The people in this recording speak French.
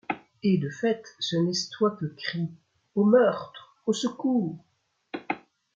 Et, de faict, ce n’estoyent que cris :— Au meurtre ! au secours !